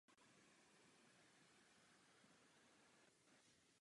Jižním směrem dále za stanicí se nacházejí odstavné koleje.